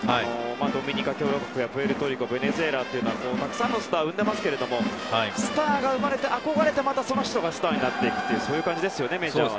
ドミニカ共和国、プエルトリコベネズエラというのはたくさんのスター生んでいますがスターが生まれて憧れてまたその人がスターになっていく感じですね、メジャーは。